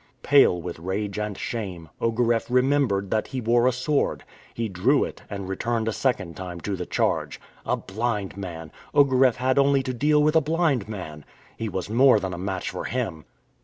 Pale with rage and shame, Ogareff remembered that he wore a sword. He drew it and returned a second time to the charge. A blind man! Ogareff had only to deal with a blind man! He was more than a match for him!